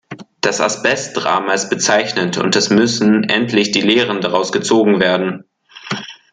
Das Asbestdrama ist bezeichnend, und es müssen endlich die Lehren daraus gezogen werden!